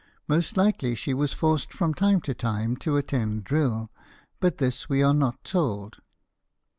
Most likely she was forced from time to time to attend drill, but this we are not told.